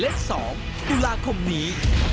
เล็ก๒ตุลาคมนี้